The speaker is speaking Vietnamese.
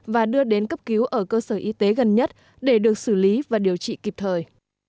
và đưa đến cấp cứu ở cơ sở y tế gần nhất để được xử lý và điều trị kịp thời